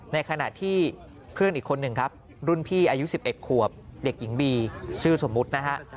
ในขณะที่เพื่อนอีกคนหนึ่งครับรุ่นพี่อายุ๑๑ขวบเด็กหญิงบีชื่อสมมุตินะฮะ